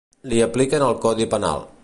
Li apliquen el codi penal.